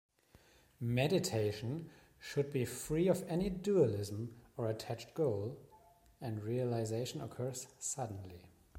Meditation should be free of any dualism or attached goal and realization occurs suddenly.